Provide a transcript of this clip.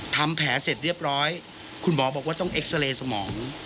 ทำแผลเสร็จเรียบร้อยคุณหมอบอกว่าต้องเอ็กซาเรย์สมอง